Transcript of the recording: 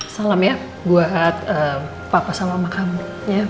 salam ya buat papa sama omakamu ya